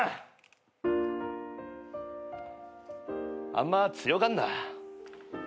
あんま強がんな。